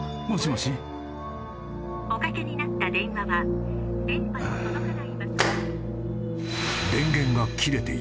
おかけになった電話は電波の届かない。